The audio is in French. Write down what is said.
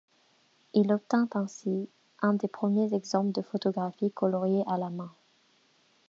Il obtint ainsi un des premiers exemples de photographie coloriée à la main.